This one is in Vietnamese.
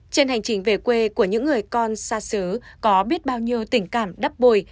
trên hành trình về quê của những người con xa xứ có biết bao nhiêu tình cảm đắp bồi